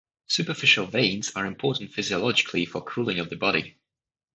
Superficial veins are important physiologically for cooling of the body.